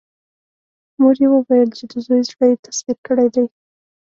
مور يې وويل چې د زوی زړه يې تسخير کړی دی.